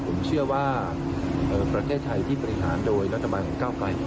ผมเชื่อว่าประเทศไทยที่บริหารโดยรัฐบาลของก้าวไกล